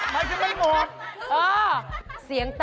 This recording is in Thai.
มันคือผักบุ้ง